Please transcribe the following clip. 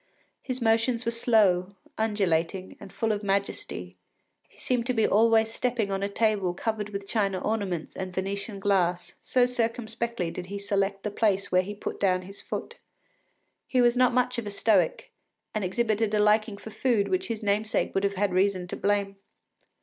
His motions were slow, undulating, and full of majesty; he seemed to be always stepping on a table covered with china ornaments and Venetian glass, so circumspectly did he select the place where he put down his foot. He was not much of a Stoic, and exhibited a liking for food which his namesake would have had reason to blame.